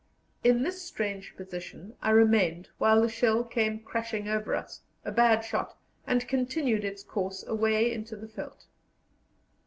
In this strange position I remained while the shell came crashing over us, a bad shot, and continued its course away into the veldt.